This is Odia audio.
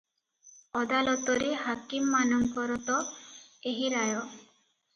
ଅଦାଲତରେ ହାକିମମାନଙ୍କର ତ ଏହି ରାୟ ।